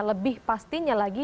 lebih pastinya lagi